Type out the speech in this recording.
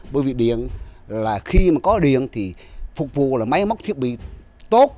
bởi vì điện là khi mà có điện thì phục vụ là máy móc thiết bị tốt